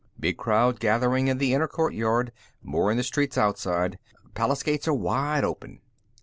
Big crowd gathering in the inner courtyard; more in the streets outside. Palace gates are wide open."